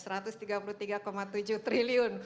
rp satu ratus tiga puluh tiga tujuh triliun